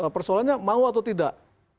persoalannya mau atau tidak